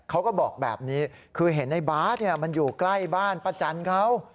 เขาก็บอกแบบนี้คือเห็นในบาสมันอยู่ใกล้บ้านป้าจันเขา